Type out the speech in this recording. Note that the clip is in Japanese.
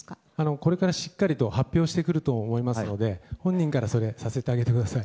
これからしっかりと発表してくると思いますので本人からさせてあげてください。